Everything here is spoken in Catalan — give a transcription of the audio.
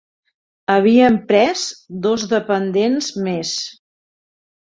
Havien pres dos dependents més